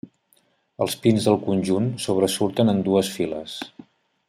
Els pins del conjunt sobresurten en dues files.